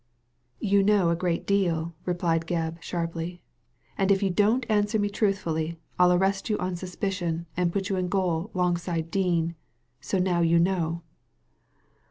You know a great deal," replied Gebb, sharply. " And if you don't answer me truthfully, I'll arrest you on suspicion and put you in gaol 'longside of Dean ; so now you know."